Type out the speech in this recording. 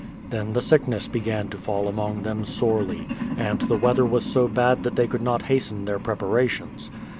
Then the sickness began to fall among them sorely, and the weather was so bad that they could not hasten their preparations.